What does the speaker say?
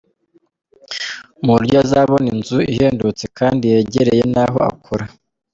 Mu buryo azabona inzu ihendutse kandi yegereye n’aho akora.